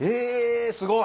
すごい！